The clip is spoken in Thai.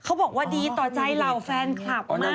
บอกว่าดีต่อใจเหล่าแฟนคลับมาก